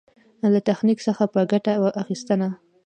له تخنيک څخه په ګټه اخېستنه.